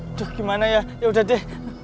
aduh gimana ya yaudah deh